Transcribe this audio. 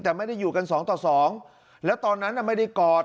แต่ไม่ได้อยู่กันสองต่อสองแล้วตอนนั้นน่ะไม่ได้กอด